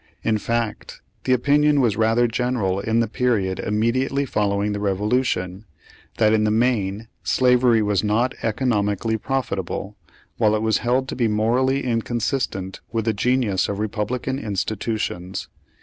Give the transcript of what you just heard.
In fact, the opinion was rather general in the period immediately following the revolution, that in the main slavery was not economically profitable, while it was held to be morally inconsistent with the genius of republican institutions.